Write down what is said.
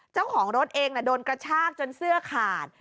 เจ้าของรถเองโดนกระชากจนเสื้อขาด